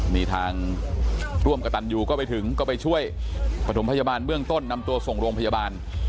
นี่ทางร่วมกับตันยูก็ไปถึงก็ไปช่วยประถมพยาบาลเบื้องต้นนำตัวส่งโรงพยาบาล